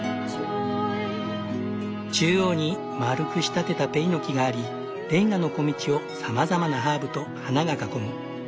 中央に丸く仕立てたベイの木がありれんがの小道をさまざまなハーブと花が囲む。